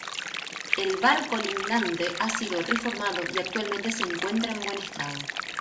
El bar colindante ha sido reformado y actualmente se encuentra en buen estado.